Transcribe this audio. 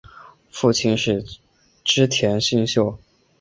父亲是织田信秀。